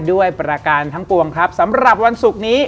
ด้วยประการทั้งปวงครับสำหรับวันศุกร์นี้